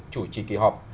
chủ trì kỳ họp